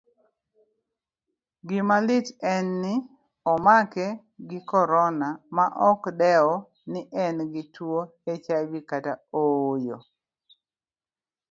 Gimalit en ni omake gi corona maokdewo ni engi tuwo hiv kata ooyo.